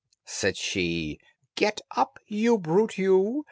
Said she, "Get up, you brute you!"